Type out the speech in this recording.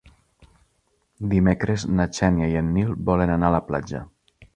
Dimecres na Xènia i en Nil volen anar a la platja.